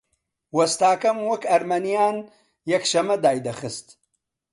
وەستاکەم وەک ئەرمەنییان یەکشەممە دایدەخست